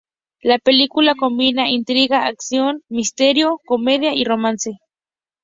La película combina intriga, acción, misterio, comedia y romance.